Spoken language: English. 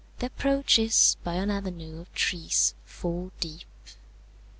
The approach is by an avenue of trees four deep.